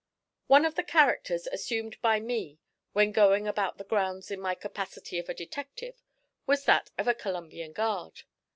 One of the characters assumed by me when going about the grounds in my capacity of a detective was that of a Columbian Guard.